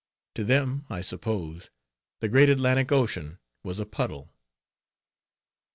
To them, I suppose, the great Atlantic Ocean was a puddle.